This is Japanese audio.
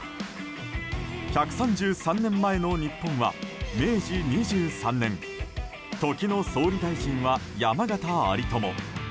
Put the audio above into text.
１３３年前の日本は明治２３年時の総理大臣は、山縣有朋。